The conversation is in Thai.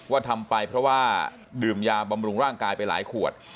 ทำไปเพราะว่าดื่มยาบำรุงร่างกายไปหลายขวด